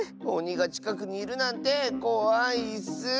おにがちかくにいるなんてこわいッス。